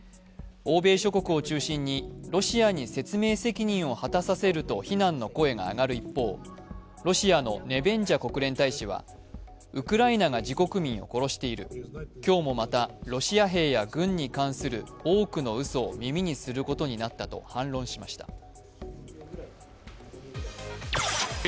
欧米諸国を中心にロシアに説明責任を果たさせると非難の声が上がる一方、ロシアのネベンジャ国連大使はウクライナが自国民を殺している、今日もまたロシア兵や軍に関する多くのうそを耳にすることになったと反論しました。